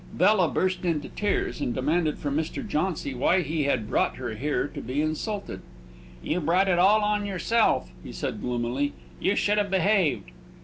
Bella burst into tears, and demanded from Mr. Jauncy why he had brought her there to be insulted. "You brought it all on yourself," he said, gloomily; "you should have behaved!"